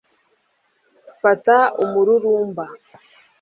Fata umururumba